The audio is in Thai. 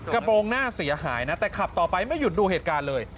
กระโปรงหน้าเสียหายนะแต่ขับต่อไปไม่หยุดดูเหตุการณ์เลย